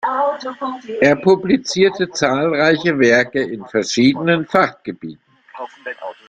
Er publizierte zahlreiche Werke in verschiedenen Fachgebieten.